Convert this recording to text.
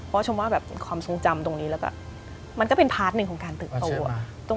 เพราะชมว่าแบบความทรงจำตรงนี้แล้วก็มันก็เป็นพาร์ทหนึ่งของการเติบโต